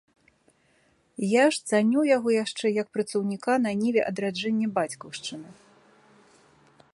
Я ж цаню яго яшчэ як працаўніка на ніве адраджэння бацькаўшчыны.